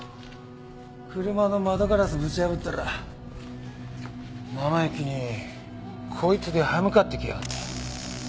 車の窓ガラスぶち破ったら生意気にこいつで歯向かってきやがった。